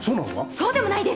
・そうでもないです。